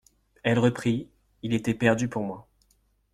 Elle reprit : Il était perdu pour moi.